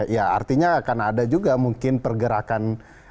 ya artinya akan ada juga mungkin pergerakan